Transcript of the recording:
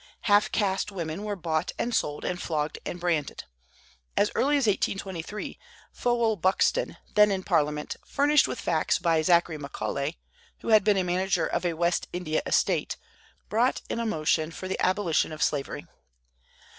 Half caste women were bought and sold, and flogged and branded. As early as 1823 Fowell Buxton, then in Parliament, furnished with facts by Zachary Macaulay, who had been manager of a West India estate, brought in a motion for the abolition of slavery.